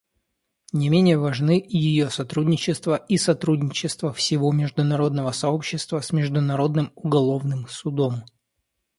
Не менее важны ее сотрудничество и сотрудничество всего международного сообщества с Международным уголовным судом.